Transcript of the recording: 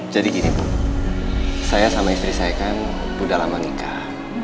jadi gini bu saya sama istri saya kan udah lama nikah